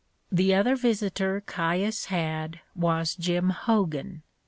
The other visitor Caius had was Jim Hogan.